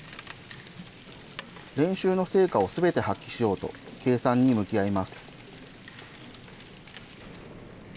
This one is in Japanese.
練習の成果をすべて発揮しようと、計算に向き合います。